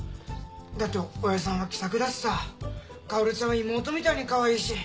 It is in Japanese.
だって親父さんは気さくだしさ薫ちゃんは妹みたいにかわいいし。